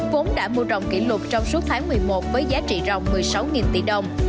vốn đã mua rộng kỷ lục trong suốt tháng một mươi một với giá trị rộng một mươi sáu tỷ đồng